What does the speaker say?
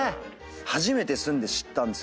初めて住んで知ったんです。